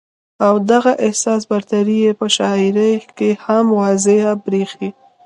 او دغه احساس برتري ئې پۀ شاعرۍ کښې هم واضحه برېښي